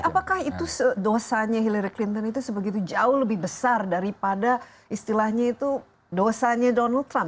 apakah itu dosanya hillary clinton itu sebegitu jauh lebih besar daripada istilahnya itu dosanya donald trump